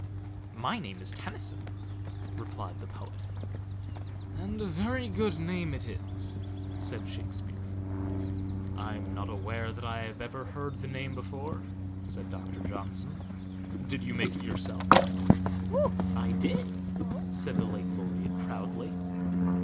"My name is Tennyson," replied the poet. "And a very good name it is," said Shakespeare. "I am not aware that I ever heard the name before," said Doctor Johnson. "Did you make it yourself?" "I did," said the late laureate, proudly.